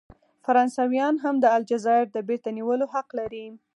فرانسویان هم د الجزایر د بیرته نیولو حق لري.